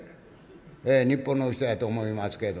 日本のお人やと思いますけど」。